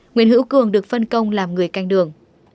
nguyễn hữu cường được phân công làm người canh đường